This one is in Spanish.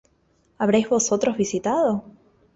¿Habréis vosotros visitado?